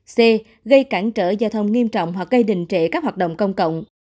c gây cản trở giao thông nghiêm trọng hoặc gây đình trệ các hoạt động công cộng